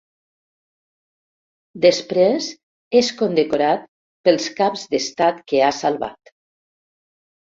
Després és condecorat pels caps d'estat que ha salvat.